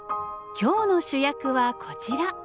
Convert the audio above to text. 今日の主役はこちら。